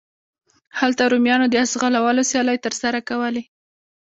هلته رومیانو د اس ځغلولو سیالۍ ترسره کولې.